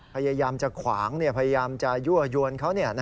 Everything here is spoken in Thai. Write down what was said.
พยายามจะขวางพยายามจะยั่วยวนเขา